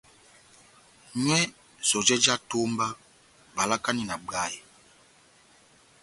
Nywɛ sɔjɛ já etomba, valakani na bwayɛ.